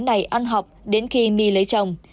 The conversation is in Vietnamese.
này ăn học đến khi my lấy chồng